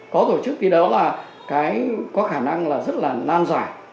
có tổ chức thì đó là có khả năng rất là nan giải